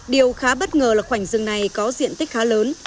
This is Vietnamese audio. điều khá bất ngờ là khoảnh rừng này có diện tích khá lớn